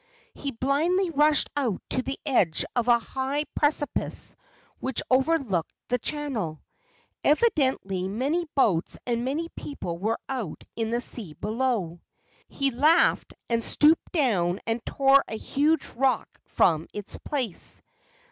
He blindly rushed out to the edge of a high precipice which overlooked the channel. Evi 24 LEGENDS OF GHOSTS dently many boats and many people were out in the sea below. He laughed, and stooped down and tore a huge rock from its place.